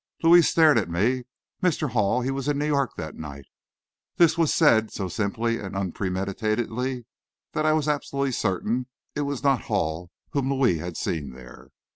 Louis stared at me. "Mr. Hall, he was in New York that night." This was said so simply and unpremeditatedly, that I was absolutely certain it was not Hall whom Louis had seen there.